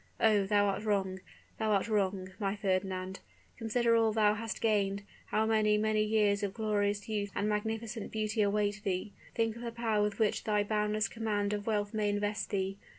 Oh, thou art wrong, thou art wrong, my Fernand. Consider all thou hast gained, how many, many years of glorious youth and magnificent beauty await thee! Think of the power with which thy boundless command of wealth may invest thee.